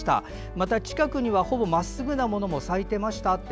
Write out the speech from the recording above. また、近くにはほぼまっすぐなものも咲いていましたと。